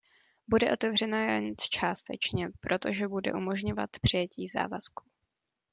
Bude otevřená jen částečně, protože bude umožňovat přijetí závazků.